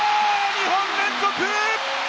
２本連続！